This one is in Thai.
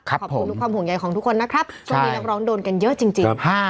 ขอบคุณทุกความห่วงใยของทุกคนนะครับช่วงนี้นักร้องโดนกันเยอะจริง